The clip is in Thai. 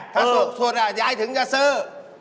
ถ้าส่วนย้ายถึงจะซื้อ